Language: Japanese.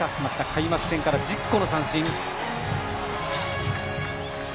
開幕戦から１０個の三振。